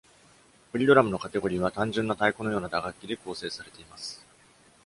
プリドラムのカテゴリーは、単純な太鼓のような打楽器で構成されています。